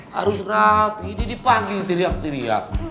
harus rapi ini dipanggil teriak teriak